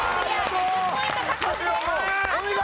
２０ポイント獲得です。